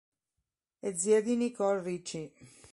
È zia di Nicole Richie.